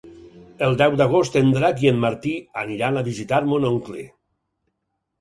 El deu d'agost en Drac i en Martí aniran a visitar mon oncle.